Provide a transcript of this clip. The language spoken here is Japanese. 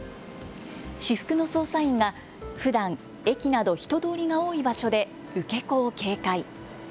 私服の捜査員がふだん、駅など人通りが多い場所で受け子を警戒。